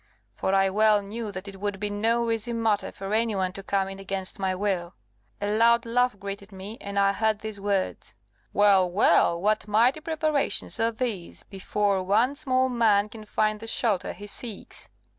For I well knew that it would be no easy matter for any one to come in against my will. A loud laugh greeted me, and I heard these words, 'Well, well, what mighty preparations are these before one small man can find the shelter he seeks!